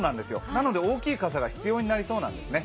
なので大きい傘が必要になりそうなんですね。